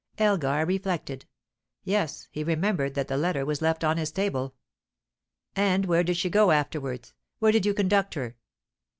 Elgar reflected. Yes, he remembered that the letter was left on his table. "And where did she go afterwards? Where did you conduct her?"